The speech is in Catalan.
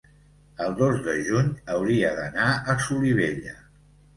el dos de juny hauria d'anar a Solivella.